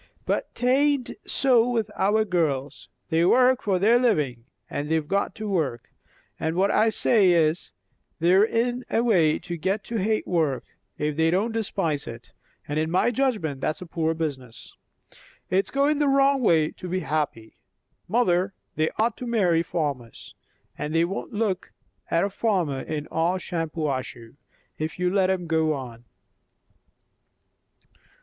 But 'tain't so with our girls. They work for their livin', and they've got to work; and what I say is, they're in a way to get to hate work, if they don't despise it, and in my judgment that's a poor business. It's going the wrong way to be happy. Mother, they ought to marry farmers; and they won't look at a farmer in all Shampuashuh, if you let 'em go on."